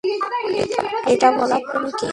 এটা বলার তুমি কে?